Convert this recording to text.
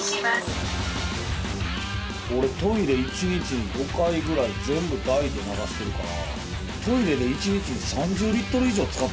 俺トイレ１日に５回ぐらい全部大で流してるからトイレで１日に３０リットル以上使ってるってこと？